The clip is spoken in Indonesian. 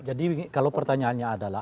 jadi kalau pertanyaannya adalah